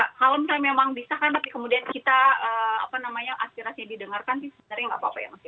kalau misalnya memang disahkan tapi kemudian kita aspirasi yang didengarkan sebenarnya tidak apa apa ya mas